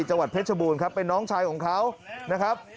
จังหวัดเพชรบูรณ์ครับเป็นน้องชายของเขานะครับ